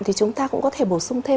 thì chúng ta cũng có thể bổ sung thêm